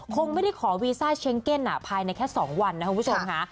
คงไม่ได้ขอวีซ่าเช็งเก็นภายในแค่๒วันนะครับคุณผู้ชมค่ะ